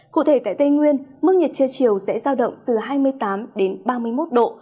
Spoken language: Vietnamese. cụ thể tại tây nguyên mức nhiệt trưa chiều sẽ giao động từ hai mươi tám ba mươi một độ